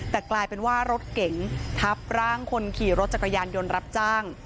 แต่กลายเป็นว่ารถเก๋งทับร่างคนขี่รถจักรยานยนต์รับจ้าง